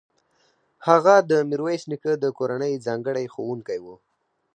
هغه د میرویس نیکه د کورنۍ ځانګړی ښوونکی و.